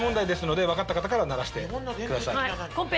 ピンポン分かった方から鳴らしてください。